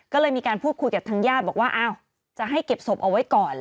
ก็เลยมีการพูดคุยกับทางญาติบอกว่าอ้าวจะให้เก็บศพเอาไว้ก่อน